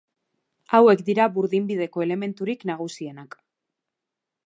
Hauek dira burdinbideko elementurik nagusienak.